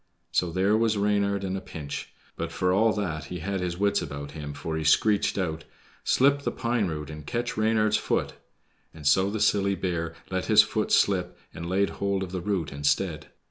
So there was Reynard in a pinch; but for all that he had his wits about him, for he screeched out, "SLIP THE PINE ROOT AND CATCH REYNARD'S FOOT," and so the silly bear let his foot slip and laid hold of the root instead.